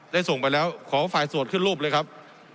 ส่งไปแล้วขอฝ่ายสวดขึ้นรูปเลยครับ